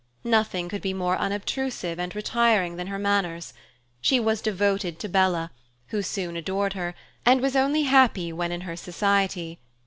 Nothing could be more unobtrusive and retiring than her manners. She was devoted to Bella, who soon adored her, and was only happy when in her society.